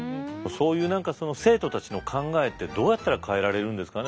そういう生徒たちの考えってどうやったら変えられるんですかね？